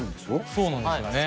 そうなんですよね。